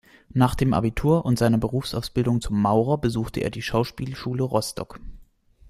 Nach dem Abitur und seiner Berufsausbildung zum Maurer besuchte er die Schauspielschule Rostock.